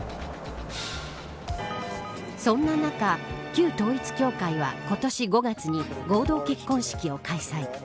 そんな中旧統一教会は今年５月に合同結婚式を開催。